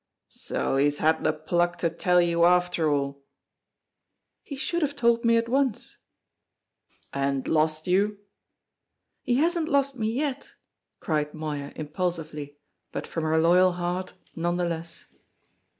"So he's had the pluck to tell you, after all?" "He should have told me at once." "And lost you?" "He hasn't lost me yet!" cried Moya impulsively, but from her loyal heart none the less.